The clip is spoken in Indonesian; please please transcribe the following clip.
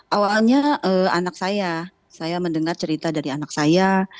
awalnya anak saya saya mendengar cerita dari anak saya